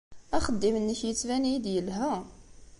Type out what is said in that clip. Axeddim-nnek yettban-iyi-d yelha.